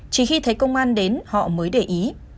chỉ khi thấy công an đến họ mới để ý